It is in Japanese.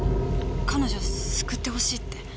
彼女救ってほしいって。